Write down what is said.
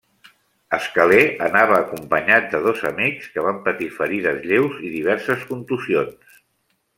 Escalé anava acompanyat de dos amics que van patir ferides lleus i diverses contusions.